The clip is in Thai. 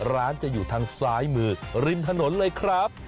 ร้านจะอยู่ทางซ้ายมือริมถนนเลยครับ